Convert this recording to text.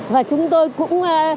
và chúng tôi cũng